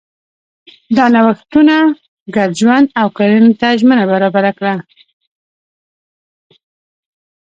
دا نوښتونه ګډ ژوند او کرنې ته زمینه برابره کړه.